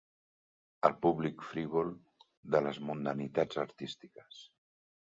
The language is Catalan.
El públic frívol de les mundanitats artístiques.